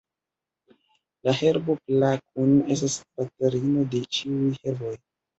La herbo Plakun estas patrino de ĉiuj herboj.